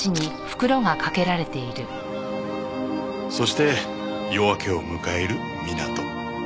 そして夜明けを迎える港。